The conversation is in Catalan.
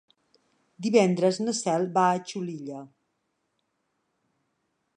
Divendres na Cel va a Xulilla.